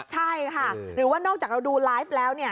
ใช่ค่ะหรือว่านอกจากเราดูไลฟ์แล้ว